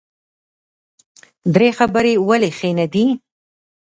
ډیرې خبرې ولې ښې نه دي؟